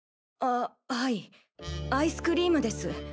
あはいアイスクリームです。